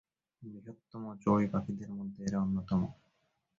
বৃহত্তম চড়ুই পাখিদের মধ্যে এরা অন্যতম।